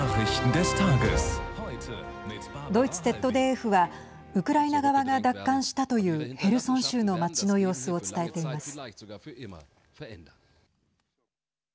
ドイツＺＤＦはウクライナ側が奪還したというヘルソン州の町の様子を伝えています。